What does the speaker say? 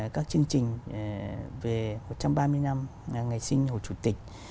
các chương trình về một trăm ba mươi năm ngày sinh hồ chủ tịch